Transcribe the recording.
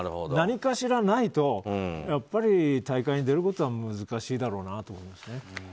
何かしらないとやっぱり、大会に出ることは難しいだろうなと思いますね。